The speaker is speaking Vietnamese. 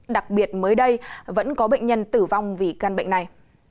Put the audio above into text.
đặc biệt mới đây vẫn có bệnh nhân tử vong vì căn bệnh này